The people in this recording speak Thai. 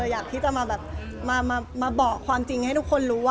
อยากจะมาบอกความจริงให้ทุกคน